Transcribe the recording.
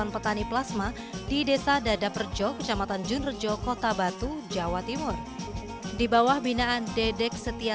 petani plasma di desa dada perjo kecamatan junrejo kota batu jawa timur di bawah binaan dedek setia